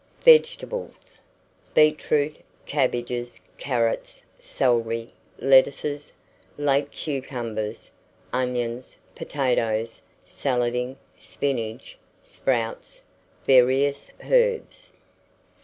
VEGETABLES. Beetroot, cabbages, carrots, celery, lettuces, late cucumbers, onions, potatoes, salading, spinach, sprouts, various herbs.